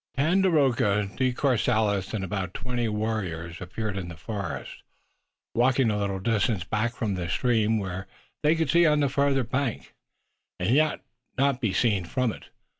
Tandakora, De Courcelles and about twenty warriors appeared in the forest, walking a little distance back from the stream, where they could see on the farther bank, and yet not be seen from it.